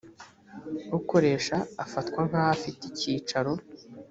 ukoresha afatwa nk aho afite icyicaro